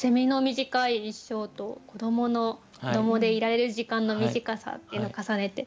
短い一生と子どもの子どもでいられる時間の短さっていうのを重ねて。